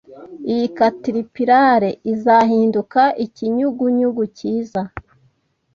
Iyi catterpillar izahinduka ikinyugunyugu cyiza.